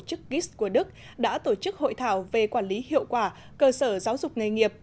tik gis của đức đã tổ chức hội thảo về quản lý hiệu quả cơ sở giáo dục nghề nghiệp